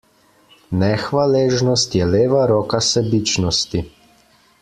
Nehvaležnost je leva roka sebičnosti.